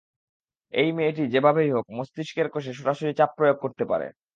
এই মেয়েটি যেভাবেই হোক, মস্তিষ্কের কোষে সরাসরি চাপ প্রয়োগ করতে পারে।